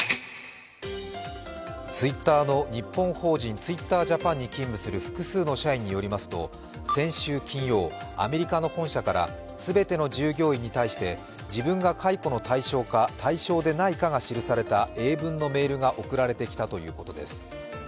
Ｔｗｉｔｔｅｒの日本法人、ＴｗｉｔｔｅｒＪａｐａｎに勤務する複数の社員によりますと、先週金曜アメリカの本社から全ての従業員に対して自分が解雇の対象か対象でないかを記した英文のメールが送られてきたということです。